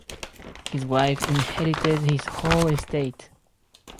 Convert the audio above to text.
His wife inherited his whole estate.